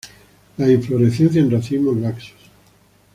Las inflorescencias en racimos laxos.